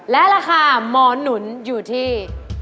และราคาหมอนหนุนอยู่ที่